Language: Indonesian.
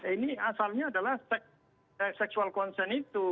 ini asalnya adalah seksual concern itu